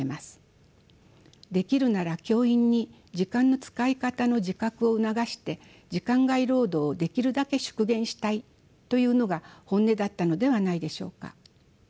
できるなら教員に時間の使い方の自覚を促して時間外労働をできるだけ縮減したいというのが本音だったのではないでしょうか。